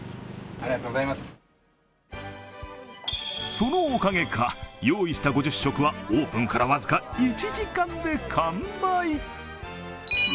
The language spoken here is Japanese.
そのおかげか、用意した５０食はオープンから僅か１時間で完売。